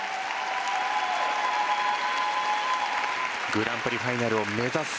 グランプリファイナルを目指す